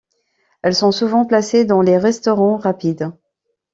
Elles sont souvent placées dans les restaurants rapides.